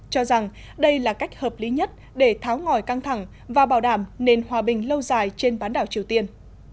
cho rằng đây là cách hợp lý nhất để tháo ngòi căng thẳng và bảo đảm nền hòa bình lâu dài trên bán đảo triều tiên